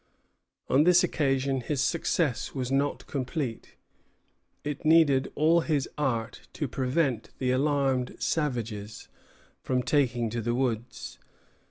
On this occasion his success was not complete. It needed all his art to prevent the alarmed savages from taking to the woods.